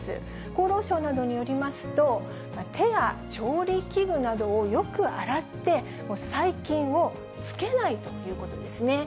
厚労省などによりますと、手や調理器具などをよく洗って、細菌をつけないということですね。